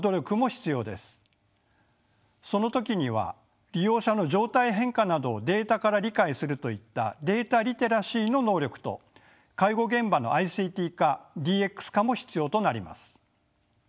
その時には利用者の状態変化などをデータから理解するといったデータ・リテラシーの能力と介護現場のＩＣＴ化・ＤＸ化も必要となります。